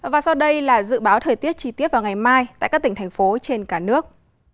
và sau đây là dự báo thời tiết chi tiết vào ngày mai tại các tỉnh thành phố trên cả nước